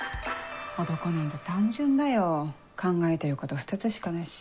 男なんて単純だよ考えてること２つしかないし。